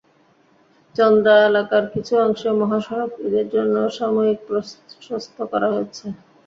চন্দ্রা এলাকার কিছু অংশে মহাসড়ক ঈদের জন্য সাময়িক প্রশস্ত করা হচ্ছে।